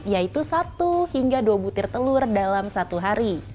yaitu satu hingga dua butir telur dalam satu hari